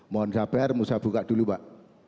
mohon sabar mau saya buka dulu pak